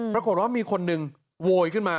ปรากฏว่ามีคนหนึ่งโวยขึ้นมา